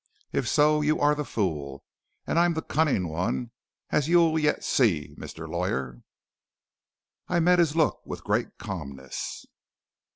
If so, you are the fool, and I the cunning one, as you will yet see, Mr. Lawyer.' "I met his look with great calmness.